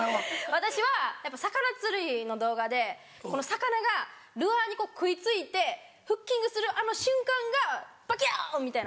私はやっぱ魚釣りの動画でこの魚がルアーに食い付いてフッキングするあの瞬間がバキュンみたいな。